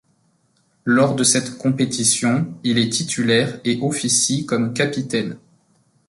Lors de cette compétition, il est titulaire et officie comme capitaine.